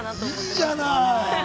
◆いいじゃない！